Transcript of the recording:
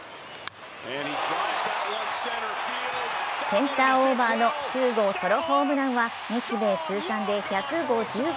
センターオーバーの９号ソロホームランは日米通算で１５０号。